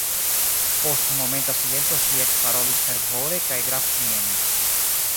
Post momenta silento ŝi ekparolis fervore kaj gravmiene: